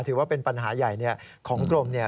ถือว่าเป็นปัญหาใหญ่ของกรม